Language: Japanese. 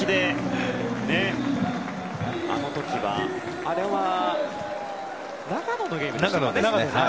あの時は、あれは長野のゲームでしたね。